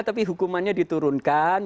tapi hukumannya diturunkan